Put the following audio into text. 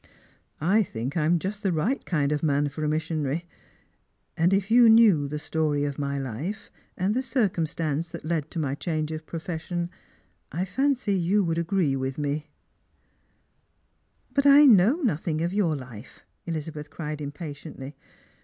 I tbmk 1 am just the right kind of man for a missionary ; and if j ou knew the story of my life, and the cir cumstance that led to my change of profession, I fancy you would agree with va( ." 42 Stranrjers and Pilgrims. " But I know nothing of your life," Elizabeth cried im« patiently.